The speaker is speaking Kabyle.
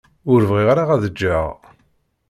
Ur bɣiɣ ara ad ǧǧeɣ.